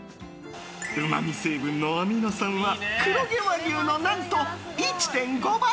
うまみ成分のアミノ酸は黒毛和牛の何と１．５倍。